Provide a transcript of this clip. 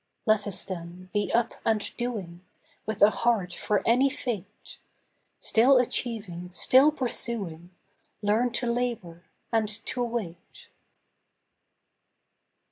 Let us, then, be up and doing, With a heart for any fate ; Still achieving, still pursuing, Learn to labor and to wait.